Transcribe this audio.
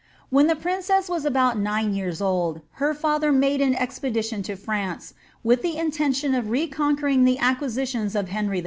When the princess was about nine years old, her fiither made an ex pedition to France^ with the intention of reconquering the acquisitions of Henry V.